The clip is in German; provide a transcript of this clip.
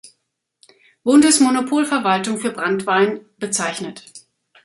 Bundesmonopolverwaltung für Branntwein, bezeichnet.